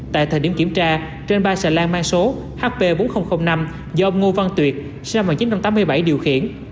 tại thời điểm kiểm tra trên ba xà lan mang số hp bốn nghìn năm do ông ngô văn tuyệt xe mạng chín trăm tám mươi bảy điều khiển